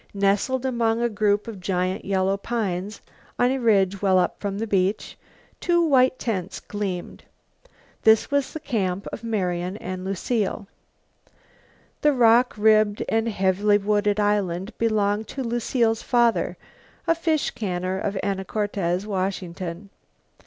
Nestling among a group of giant yellow pines on a ridge well up from the beach, two white tents gleamed. This was the camp of Marian and Lucile. The rock ribbed and heavily wooded island belonged to Lucile's father, a fish canner of Anacortes, Washington.